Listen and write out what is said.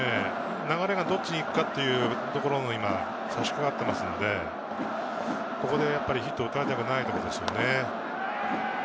流れがどっちにいくかっていうところになっていますので、ここでヒットを打たれたくないところですね。